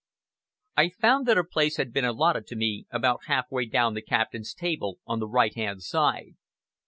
I found that a place had been allotted to me about half way down the captain's table, on the right hand side.